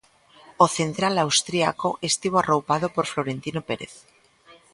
O central austríaco estivo arroupado por Florentino Pérez.